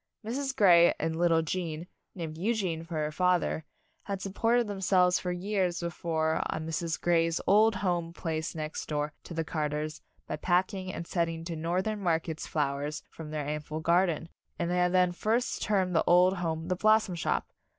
Mrs. Grey and lit tle Gene, named Eugene for her father, had supported themselves for years before on Mrs. Grey's old home place next door to the Carters by packing and sending to Northern markets flowers from their ample garden, and they had then first termed the old home The Blossom Shop.